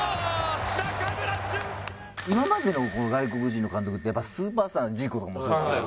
今までの外国人の監督ってスーパースタージーコとかもそうですけど。